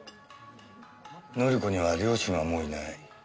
紀子には両親はもういない。